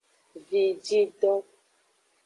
Vijido.